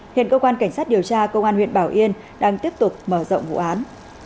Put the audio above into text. hiện cơ quan cảnh sát điều tra công an huyện bảo yên đang tiếp tục mở rộng vụ án